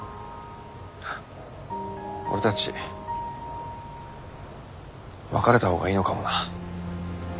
俺たち別れたほうがいいのかもな。